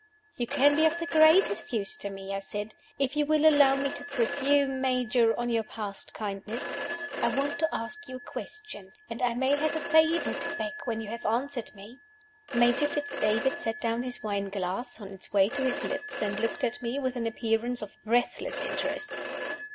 "You can be of the greatest use to me," I said, "if you will allow me to presume, Major, on your past kindness. I want to ask you a question; and I may have a favor to beg when you have answered me." Major Fitz David set down his wine glass on its way to his lips, and looked at me with an appearance of breathless interest.